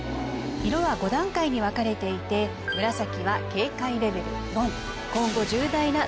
色は５段階に分かれていて紫は警戒レベル４。